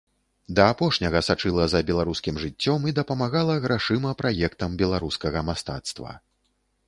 Да апошняга сачыла за беларускім жыццём і дапамагала грашыма праектам беларускага мастацтва.